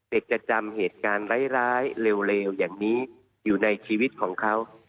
จะจำเหตุการณ์ร้ายเร็วอย่างนี้อยู่ในชีวิตของเขา